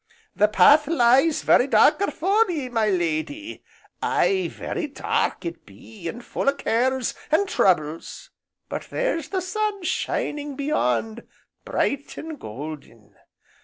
The path lies very dark afore ye, my lady, aye very dark it be, and full o' cares, and troubles, but there's the sun shining beyond, bright, and golden.